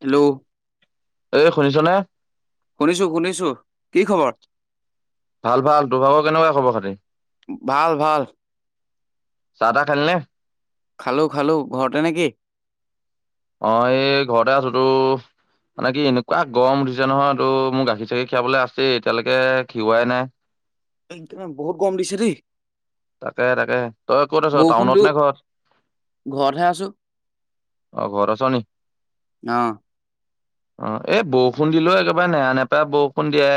Hello, এ শুনিছ নে? শুনিছো - শুনিছো কি খবৰ? ভাল - ভাল তোৰভাগৰ কেনেকুৱা খবৰ খাতি। ভাল ভাল চাহ তাহ খেলনে? খালো - খালো ঘৰতে নেকি। অ, এই ঘৰতে আছো তো মানে কি এনেকুৱা গৰম উঠিছে নহয় এইটো মোৰ গাখীৰ চাখীৰ খীৰাাবলৈ আছে এতিয়ালৈকে খিওৱাই নাই বহুত গম দিছে দ তাকে - তাকে তই ক'ত আছ টাউনত নে ঘৰত ঘৰতহে আছো অ, ঘৰ চনি অ অ, এই বৰষুণ দিলে একেবাৰে নেৰা নেপেৰা বৰষুণ দিয়ে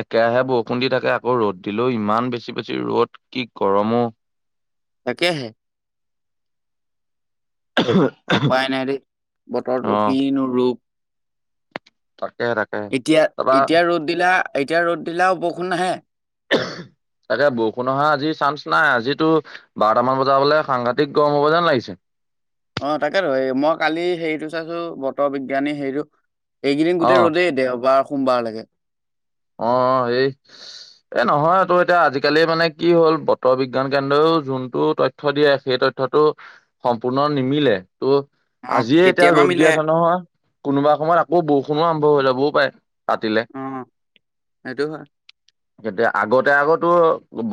একেৰাহে বৰষুণ দি থাকে। আকৌ ৰ'দ দিলো ইমান বেছি বেছি ৰ'দ কি গৰমো। তাকে হে উপায় নাই দেই বতৰটো অ' কিনো ৰূপ তাকে তাকে। এতিয়া তাৰপা এতিয়া ৰ'দ দিলা এতিয়া ৰ'দ দিলা বৰষুণ আহে। তাকে বৰষুণ অহা আজিৰ চান্স নাই আজিতো বাৰটামান বজা হলে সাংঘাটতিক গৰম হব যেন লাগিছে। অ, তাকেতো মই কালি হেৰিটো চাইছো বতৰ বিজ্ঞানী হেৰিটো এইকেইদিন অ' গোটেই ৰ'দেই দেওবাৰ সোমবাৰলৈকে অ এই এ নহয় তটো এতিয়া আজিকালি মানে কি হ'ল বতৰ বিজ্ঞান কেন্দ্ৰও যোনটো তথ্য দিয়ে সেই তথ্যটো সম্পূৰ্ণ নিমিলে ত' অ আজিয়ে এতিয়া কেতিয়াবা ৰ'দ দি মিলে আছ নহয় কোনোবা সময়ত আকৌ বৰষুণো আৰম্ভ হৈ ল'বও পাৰে ৰাতিলে এটো হ এতিয়া আগতে আগতো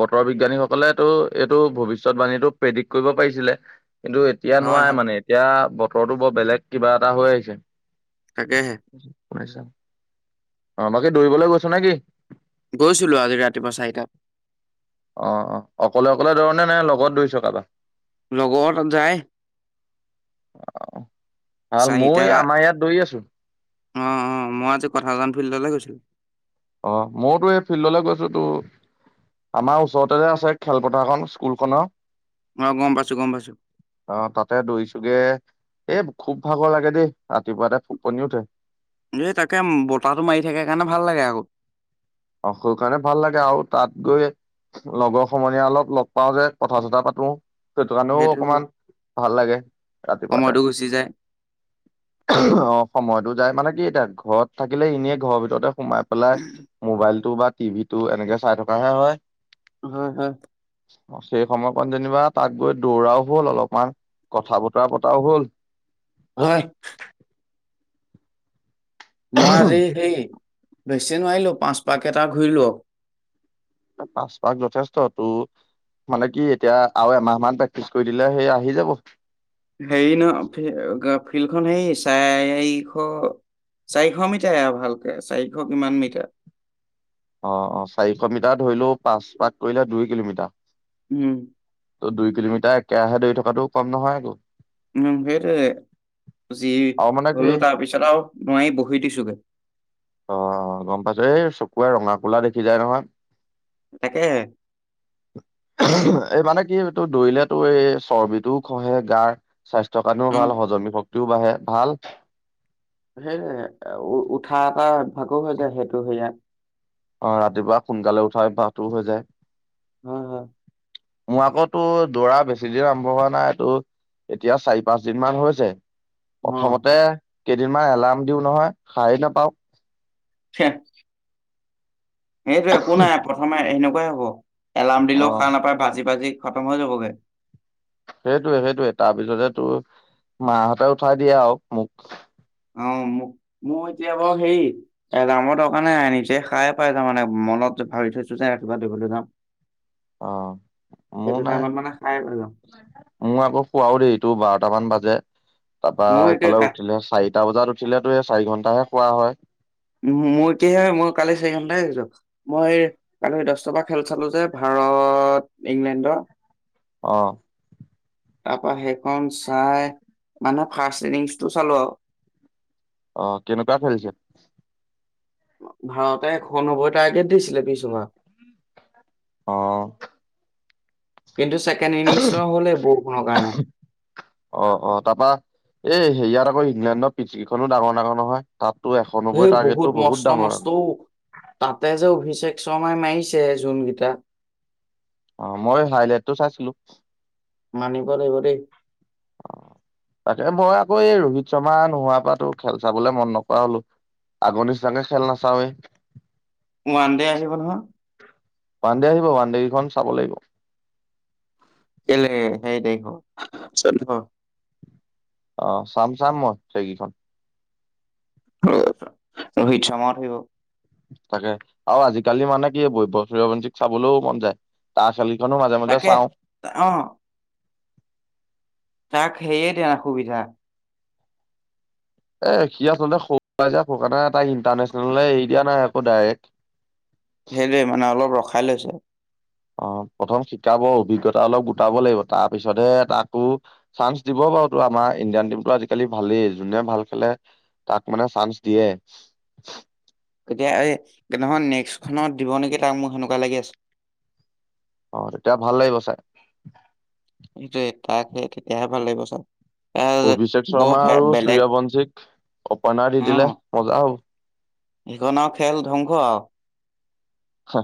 বতৰ বিজ্ঞানী সকলে তো এইটো ভৱিষ্যতবাণীটো প্ৰেডিক্ট কৰিব পাৰিছিলে কিন্তু এতিয়া হয় নোৱাই হয় মানে এতিয়া বতৰটোো বৰ বেলেগ কিবা এটা হৈ আহিছে কাকাকে হে শুছ অ বাকী দৌৰিবলৈ গৈছ নে কিি গৈছিলো আজি ৰাতিপুৱা চাৰিটাত অ অ অকলে অকলে ধৰণে নাই লগত ধৰিছকাাবটা লগত যায় অ ভাল মই চাৰিটা আমাৰ ইয়াত দৌৰি আছো অ অ মই আজি কথাাজান ফিল্ডলৈ গৈছিলো অ মইতো এই ফিল্ডলৈ গৈছো তো আমাৰ ওচৰতে যে আছে খেলপথাৰখন স্কুল খনৰ অ', গম পাইছোঁ, গম পাইছোঁ। অ তাতে দৰিছোোগে এ খুব ভাগৰ লাগে দেই ৰাতিপুৱা এটা ফুবপনি উঠে এই তাকে বতাহটো মাৰি থাকে কাৰণে ভাল লাগে আকৌ অ স কাৰণে ভাল লাগে আৰু তাত গৈ লগৰ সমনীয়া অলপ লগ পাও যে কথা চথা পাতো সেইটো কাৰণেও অকমান ভাল লাগে ৰাতিপুৱাতে সময়টো গুচি যায়। অ সময়টোোত যায় মানে কি এতিয়া ঘৰত থাকিলে এনেই ঘৰৰ ভিতৰতে সোমাই পেলাই মোবাইলতটো বা টিভিটো এনেকে চাই থকাাহে হয় হয় হয় অ সেই সময়কণ যেনিবা তাত গৈ দৌৰাও হ'ল অলপমান কথা বতৰা পতাও হ'ল হয় মই আজি হেই ভেকচিন মাৰিলোঁ পাঁচপাক কেইটা ঘূৰিলো পচপাস যথেষ্ট তটো মানে কি এতিয়া আৰু এমাহ মান প্ৰেক্টিচ কৰি দিলে সেই আহি যাব হেৰি ন ফিল্ডখন হে চাৰিশ চাৰিশ মিটাৰয়া ভালকে চাৰিশ কিমান মিটাৰ অ অ চাৰিশ মিটাৰ ধৰি লও পাঁচ পাক কৰিলে দুই কিলোমিটাৰ উম ত' দুই কিলোমিটাৰ একেৰাহে দৰি থকাাতটো কম নহয় আৌ উম সেইটোৱে যি আৰু মানে কি হলো তাৰপিছত আৰু নোৱাৰি বহি দিছোোগে অ গম পাইছো এই চকুৱে ৰঙা কোলা দেখি যায় নহয় তাকে এই মানে কি এই তটো দৌৰিলে তো এই চৰ্বিটোও খহে গাৰ স্বাস্থ্য কাৰণেও ভাল অ'। হজমী শক্ত টউব আহে ভাল সেই উ উঠা এটা ভাগো হৈ যায় সেইটো সেয়াাত অ ৰাতিপুৱা সোনকালে উঠাই ভাহটো হৈ যায় হয় হয় মোৰ আকৌ তো দৌৰা বেছি দিন আৰম্ভ হোৱা নাই তটো এতিয়া চাৰি পাঁচ দিন মান হৈছে অ প্ৰথমতে কেইদিনমান এলাৰ্ম দিও নহয় শাৰি নাপাও হে সেইটো একো নাই প্ৰথমে এনেকুৱাই হ'ব, এলাৰ্ম অ দিলেও সাৰ নাপায় বাজি বাজি খতম হৈ যাবগে। সেইটোয়ে সেইটোয়ে তাৰপিছতে তোৰ মাহঁতে উঠাই দিয়ে আৰু মোক। অ', মোক মোৰ এতিয়া বাৰু হেৰি এৰ্লামৰ দৰকাৰ নাই নিজে সাৰ পাই যাওঁ তাৰমানে মনতো ভাৱৰি থৈছো যাই ৰাতিপুৱা দৌৰিবলৈ যাওঁ। অ', মোৰ নাই। টাইমত মানে সাৰে পাই যাম। মই আকৌ শুৱাও দেৰি তোৰ বাৰটামান বাজে। তাৰপা মোৰ এতিয়া এইফালে কা উঠিলে চাৰিটা বজাত উঠিলেতো এই চাৰি ঘন্টাহে শুৱা হয়। মোৰ কি হয় মই কালি চাৰি ঘন্টাই শুইছো মই কালি দশটা পৰা খেল চালো যে ভাৰত। ভৰত ইংলেণ্ডৰ। অ'। তাৰপা সেইখন চাই মানে ফাৰ্ষ্ট ইনিংছটো চালো আৰু অ', কেনেকোৱা খেলিছে। ভাৰতে এশ নব্বৈ টাৰ্গেট দিছিলে বিশ অভাৰত। অ'। কিন্তু ছেকেণ্ড ইনিংছ নহ'লে বৰষুণৰ কাৰণে অ', অ', তাৰপা এই সেয়াত আকৌ ইংলেণ্ডৰ পিছ কেইখনো ডাঙৰ ডাঙৰ নহয়। তাততো এশ নব্বৈ সেই টাৰ্গেটটো বহুত মস্ত ডাঙৰ মস্তও তাতে যে উভিছে এক চয় মাৰিছে যোনকেইটা অ', মই হাইলোইটটো চাইছিলো। মানিব লাগিব দেই। তাকে মই আকৌ এই ৰোহিত শৰ্মা নোহোৱাৰ পৰাতো খেল চাবলে মন নকৰা হলো। আগৰ নিচিনাকে খেল নাচাওৱে। ওৱান ডে আহিব নহয়। ওৱানডে আহিব ওৱানডে কেইখন চাব লাগিব। কেলে সেই নাই হ চ [unintelligible] অ', চাম চাম মই সেই গিখন। ৰোহিত শৰ্মাহঁত আহিব তাকে আৰু আজিকালি মানে কি বৈভৱ সূৰ্যবংশিকো চাবলৈ মন যায় তাঁ ছালি মাজে মাজে তাকে চাওঁ অ তাক সেয়ে দিয়া নাই সুবিধা এ সি আচলতে খ ফুকানা এ তাই ইণ্টাৰনেচনেল এৰি দিয়া নাই আকৌ ডাইৰেক্ট সেইটোৱে মানে অলপ ৰখাই লৈছে। অ', প্ৰথম শিকাব অভিজ্ঞতা অলপ গোটাব লাগিব তাৰ পিছতহে তাকো চান্স দিব অ', টো আমাৰ ইণ্ডিয়ান টিমতটো আজিকালি ভালেই যোনে ভাল খেলে তাক মানে চান্স দিয়ে। [inaudible] এতিয়া এই নহয় নেক্সটখনত দিব নেকি তাক মোক হেনেকুৱা লাগি আছে। অ', তেতিয়া ভাল লাগিব চাই। সটোয় তাকে তেতিয়াহে ভাল লাগিব চও অভিষেক শৰ্মা আৰু সূৰ্যবংশীক অপেনাৰ দি দিলে মজা হ'ব। ই খন ৰ খেল ধ্বংস আৰু। হে।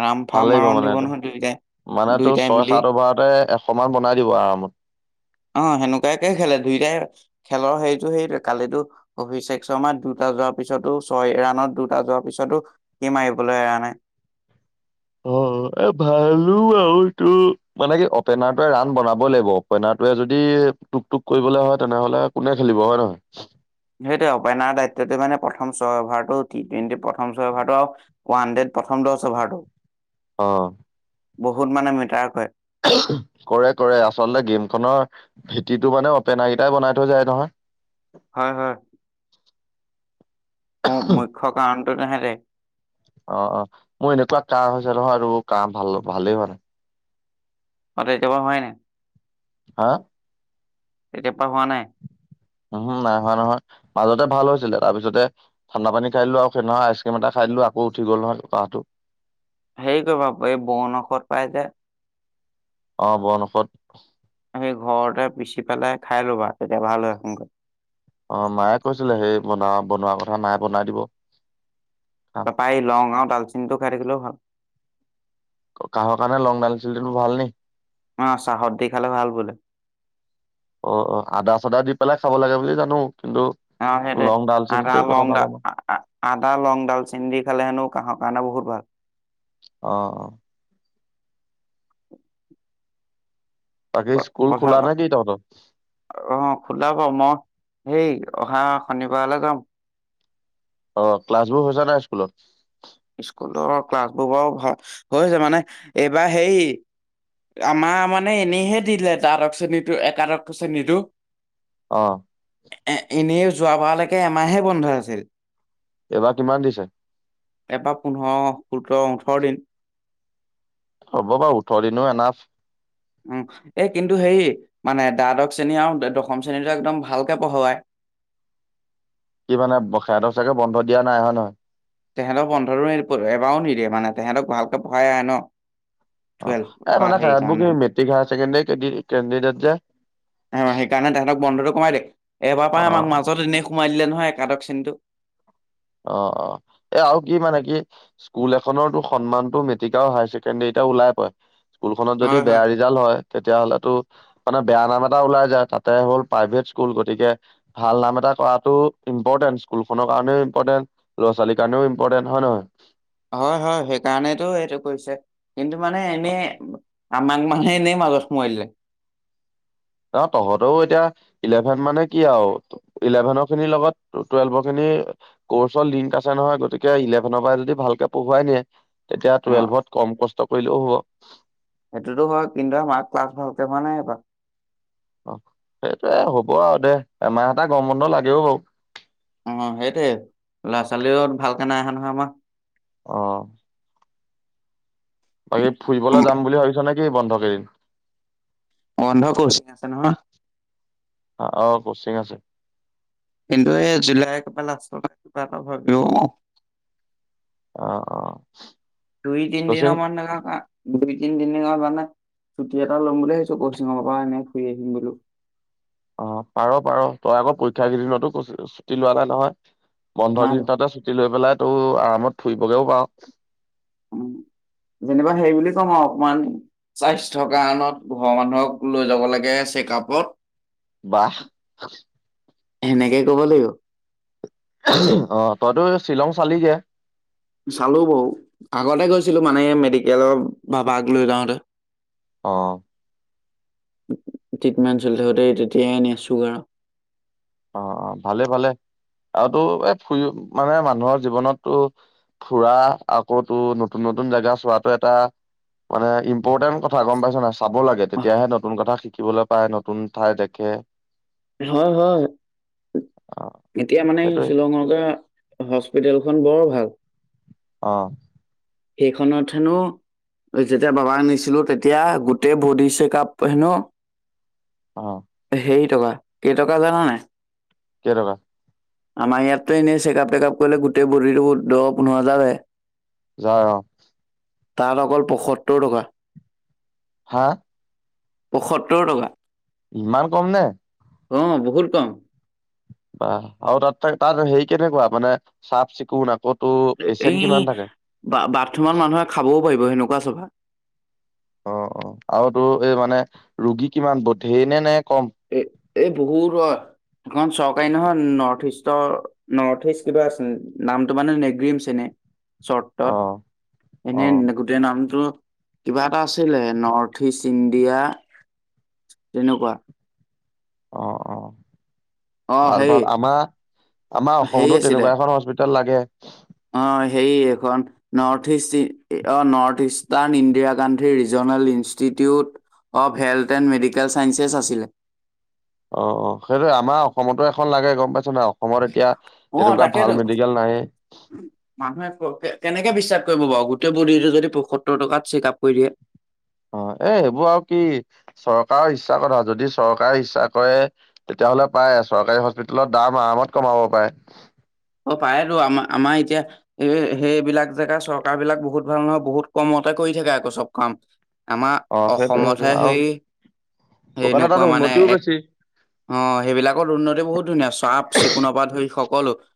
ৰামফা ভাল লাগিব মাৰণ মানে দিব এইটো নহয় দুইটাই মানে তোৰ দুইটাই ছয় মিলি সাত অভাৰতে সমান বনাই দিব আৰামত । অ', হেনেকুৱাকে খেলে দুইটাই খেলৰ হেৰিতটো সেই কালিতো অভিশেষ শৰ্মা দুটা যোৱাৰ পিছতো ছয় ৰানত দুটা যোৱাৰ পিছতো সি মাৰিবলৈ এৰা নাই। উ। ভালো আৰু এইটো মানে কি অপেনাৰটোৱে ৰান বনাবই লাগিব অপেনাৰটোৱে যদি টুক টুক কৰিবলে হয় তেনেহ'লে কোনে খেলিব হয় নহয়। সেইটোৱে অপেনাৰ দায়িত্বটো মানে প্ৰথম ছয় অভাৰটো টি টুৱেণ্টি প্ৰথম ছয় অভাৰটো আৰু ৱান হাণ্ড্ৰেড প্ৰথম টচ অ'ভাৰটো অ', বহুত মানে মিটাৰকয় কৰে, কৰে আচলতে গেমখনৰ ভেটিটো মানে অপেনা কেইটাই বনাই থৈ যায় নহয় হয়, হয় মোৰ মুখ্য কাৰণটো তেহেঁতে [inaudible] অ', অ', মোৰ এনেকুৱা কাহ হৈছে নহয় আৰু কাহ ভাল ভালেই হোৱা নাই অটাই জাবা হয় ন [inaudible] হা এতিয়া উহো নাইহোৱা নহয় মাজতে ভাল হৈছিলে তাৰপিছতে ঠাণ্ডা পানী খাই দিলো আৰু সেইদিনা আইচক্ৰীম এটা খাই দিলো আকৌ উঠি গল নহয় কাহটো হেৰী কৰি বা এই বনঔষধ পাই যে অ', বন ঔষধ সেই ঘৰতে ই পিচি পেলাই খাই ল'বা, তেতিয়া ভাল হয় সোনকালে অ', মায়ে কৈছিলে সেই বন বনোৱা কথা নাই বনাই দিব খাম তা পা লং আৰু ডালচিনটো খাই থাকিলেও ভাল কাহৰ কাৰণে লং ডাল চেনি টো ভাল নি অ চাহত দি খালে ভাল বোলে অ', অ', আদা চাদা দি পেলাই খাব লাগে বুলি জানো কিন্তু অ', সেইটোৱে লং আদা, ডালচেনিটো কথা লং, নাজানো আদা লং ডাল চেনি দি খালে হেনো কাহৰ কাৰণে বহুত ভাল অহ, অহ ক বাকী স্কুল কথা খোলা ক নে কি তহঁতৰ অ খোল ক মই [unintelligible] সেই অহা শনিবাৰলৈ যাম অ', ক্লাছ বোৰ হৈছো নাই স্কুলত স্কুলৰ ক্লাছবোৰ বাৰু ভাল হৈছে মানে এইবাৰ হেই আমাৰ মানে এনেইহে দিলে তাৰক শ্ৰেণীটো একাদশ শ্ৰেণীটো অ', এ, এনেই যোৱাবাৰলৈকে এমাহে বন্ধ আছিল এইবাৰ কিমান দিছে এবাৰ পোন্ধৰ সোতৰ ওঠৰ দিন হ'ব ভ উঠলি ন এ নফ উম এ কিন্তু হেৰি মানে দ্বাদশ শ্ৰেণী আৰু দশম শ্ৰেণীটো একদম ভালকে পঢ়োৱায় [inaudible] কি মানে ব খে দচাকে বন্ধ দিয়া নাই হয় নে নহয় তেহেঁতক পোন্ধৰ মিনিট এবাৰও নিদিয়ে মানে তেহেঁতক ভালকে পঢ়াই আহে ন টুৱেলভ অ', এ বা মানেৰ সেইকাৰণে কি মেট্ৰিক হায়কণ্ডডট যে [unintelligible] সেইকাৰণে তাহাঁতক বন্ধটো কমাই দেক এবাৰ অ পাই আমাক মাজত এনে সোমাই দিলে নহয় একাদশ শ্ৰেণীটো অ', অ', এ আৰু কি মানে কি স্কুল এখনৰতো সন্মানতটো মেট্ৰিকও হায়াৰ ছেকেণ্ডৰীত এয়া ওলাই পয় স্কুলখনত যদি হয়, হয়। বেয়া ৰিজাল্ট হয় তেতিয়াাহলেতো মানে বেয়া নাম এটা ওলাই যায় তাতে হ'ল প্ৰাইভেট স্কুল গতিকে ভাল নাম এটা কৰা ইম্পৰ্টেন্ট স্কুলখনৰ কাৰণনেও ইম্পৰ্টেন্ট ল'ৰা ছালীৰ কাৰণনেও ইম্পৰ্টেন্ট হয় নহয় হয়, হয় সেইকাৰণেতটো এইটো কৰিছে কিন্তু মানে এনেই আমাক মানে এনে আস ম আহে [unintelligible] ন তহঁতেও এতিয়া ইলেভেন মানে কি আৰু ইলেভেনৰ খিনিৰ লগত টুৱেলভৰ খিনি কোৰ্চ লিংক আছে নহয় গতিকে ইলেভেনৰ পৰা যদি পঢ়ায় নিয়ে তেতিয়া অ' টুৱেলভত কম কষ্ট কৰিলেও হ'ব সেইটোতো হয় কিন্তু আমাৰ ক্লাছ ভালকে হোৱা নাই এবাৰ অ', সেইটোয়ে হব আৰু দে এমাহ এটা গৰম বন্ধ লাগেও বাৰু অ', সেইটে ল'ৰা ছোৱালীও ভালকে নাই অহা নহয় আমাৰ অ বাকী ফুৰিবলৈ যাম বুলি ভাবিছ নে কি বন্ধ কেইদিন অন্ধ কচি আছে নহয় অ অ কচিং আছে কিন্তু এই জুলাই কিবা লাষ্টৰ কিবা এটা ভাবো অ অ দুই কচিং তিনিদিনৰ মানে ক দুই তিনি দিন কাৰ মানে ছুটি এটা ল'ম বুলি ভাবছো কচিঙৰ পৰা এনেই ফুৰি আহিম বোলো অ পাৰ পাৰ তই আকৌ পৰীক্ষা কেইদিনতো ছুটি লোৱা নাই নহয় বন্ধৰ নাই লোৱা। দিনতে ছুটি লৈ পেলাই তটো আৰামত ফুৰিবগৈও পাৰও উ যেনিবা হে বুলি কম আৰু অকমান স্বাস্থ্যৰ কাৰণত ঘৰৰ মানুহক লৈ যাব লাগে চেকআপত বাহ সেনেকে কব লাগিব অ তইতো শ্বিলং চালি যেে চালো বৌ আগতে গৈছিলো মানে মেডিকেলৰ বাবাক লৈ যাওঁতে অ ট্ৰিটমেণ্ট চলি থাকোঁতে তেতিয়াইনেিয় ছুগাৰ অ অ ভালে ভালে আৰুো এই ফুৰি মানে মানুহৰ জীৱনতটো ফুৰা আকৌ তো নতুন নতুন জেগা চোৱাটো এটা মানে ইম্পৰ্টেণ্ট কথা গম পাইছ না চাব লাগে অহ, তেতিয়াহে নতুন কথা শিকিবলৈ পায় নতুন ঠাই দেখে হয় হয় অ এতিয়া মানে সেইটোৱে শ্বিলঙতে হস্পিিতেলখন বৰ ভাল অ সেইখনত হেনো যেতিয়া বাবাক নিছিলো তেতিয়া গোটেই বডি চেক আপ হেনো অ সেই টকা কেইটকা জানানে কেকাা আমাৰ ইয়াত এনেই চেকআপ টেকআপ কৰিলে গোটেই বৰিটো দ পোন্ধৰ যাৰ হয় য অ তাত অকল পঁয়সত্তৰ টকা হা পঁয়সত্তৰ টকা ইমান কম নে অ বহুত কম বাহ আৰু তাত তাত হেৰি কেনেকুৱা মানে চাফ চিকুণ আকত এই বা বাথৰুমত মানুহে খাবও পাৰিব সেনেকুৱা চভা অ অ আৰু তো এই মানে ৰোগী কিমান বধেই নে নে কম এ এই বহুত এখন চখ নহয় নৰ্থ ইষ্টৰ নৰ্থ ইষ্ট কিবা আছে নামটো মানে নেগম চনে চৰ্তত অ অ এনে গোটেই নামটো কিবা এটা আছিলে নৰ্থ ইষ্ট ইণ্ডিয়া তেনেকুৱা অ অ অ ভাল হেৰি ভাল আমাৰ আমাৰ হেৰি অসমতো আছিলে তেনেকুৱা এখন হস্পিিতেল লাগে অ সে এখন নৰ্থ ইষ্ট অ north ইষ্টাৰণ Indira Gandhi regional institute of health and medical চাইসেছ আছিলে অ সেইটোে আমাৰ অসমতো এখন লাগে গম পাইছে ন অসমত এতিয়া অ তেনেকুৱা তাকেতো ভাল মেডিকেল নাহে মানুহে কেনেকে বিশ্বাস কৰিব বাৰু গোটেই বডিটো যদি পয়সত্তৰ টকাত চেক আপ কৰি দিয়ে অ এ সেইবোৰ আৰু কি চৰকাৰৰ ইচ্ছা কথা যদি চৰকাৰে ইচ্ছা কৰে তেতিয়াাহলে পায় চৰকাৰী হস্পিিতেলত দাম আৰামত কমাব পাৰে অ পায়তো আমাৰ আমাৰ এতিয়া এই সেইবিলাক জেগা চৰকাৰ বিলাক বহুত ভাল নহয় বহুত কম মতে কৰি থাকে আকৌ চব কাম আমাৰ অ সেইটোৱে অসমতহে সেইটোৱে আৰু সেই সেইকাৰণে তাত সেইনেকুৱা মানে উন্নতিও এক বেছি অ সেইবিলাকৰ উন্নতি বহুত ধুনীয়া চফ চিকুণৰ পৰাাত ধৰি হওক